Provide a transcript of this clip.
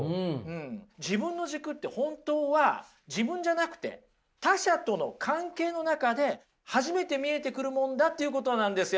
自分の軸って本当は自分じゃなくて他者との関係のなかで初めて見えてくるものだということなんですよ